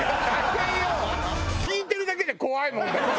聞いてるだけで怖いもんだって。